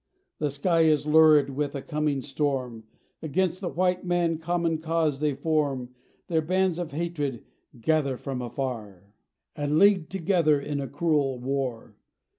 The sky is lurid with a coming storm; Against the white man common cause they form Their bands of hatred gather from afar, And league together in a cruel war.